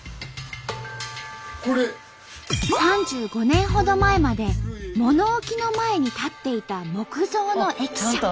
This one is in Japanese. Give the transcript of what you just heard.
３５年ほど前まで物置の前に立っていた木造の駅舎。